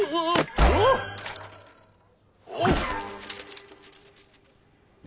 おっ！